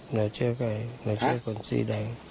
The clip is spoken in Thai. หน่อยเชื่อใครหน่อยเชื่อคนสีแดง